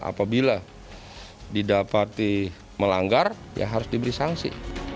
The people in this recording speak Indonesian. apabila didapati melanggar ya harus diberi sanksi